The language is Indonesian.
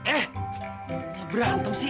eh berantem sih